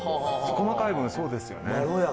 細かい分そうですよね。